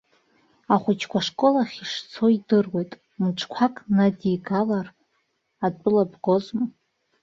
Ахәыҷқәа ашкол ахь ишцо идыруеит, мҿқәак надигалар, атәыла бгозма.